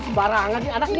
sembarangan nih anak ini